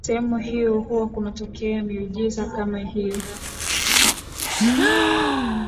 Sehemu hiyo huwa kunatokea miujiza kama hiyo